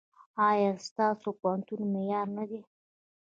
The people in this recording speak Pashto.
ایا ستاسو پوهنتون معیاري نه دی؟